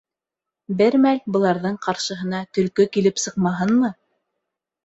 Бер мәл быларҙың ҡаршыһына төлкө килеп сыҡмаһынмы!